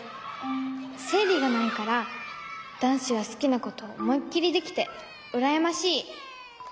せいりがないからだんしはすきなことおもいっきりできてうらやましい。